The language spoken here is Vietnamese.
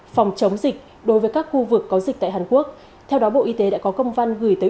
phòng chống dịch đối với các khu vực có dịch tại hàn quốc theo đó bộ y tế đã có công văn gửi tới